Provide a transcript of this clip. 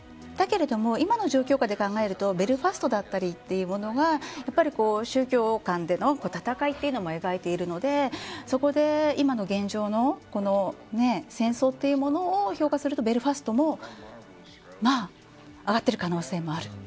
だけれど今の状況下で考えるとメールファーストだったりというものが宗教間での戦いも描いているのでそこで今の現状のを戦争というものを評価するとメールファーストも上がっている可能性もある。